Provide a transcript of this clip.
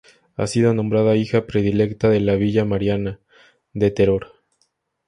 Ha sido nombrada Hija Predilecta de la Villa Mariana de Teror.